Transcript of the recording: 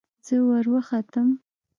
زه وروختم.